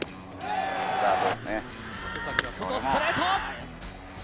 外ストレート！